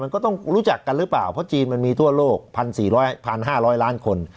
มันก็ต้องรู้จักกันหรือเปล่าเพราะจีนมันมีทั่วโลกพันสี่ร้อยพันห้าร้อยล้านคน